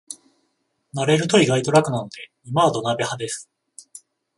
慣れると意外と楽なので今は土鍋派です